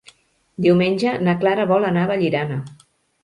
Diumenge na Clara vol anar a Vallirana.